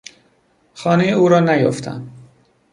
خانهی او رانیافتم.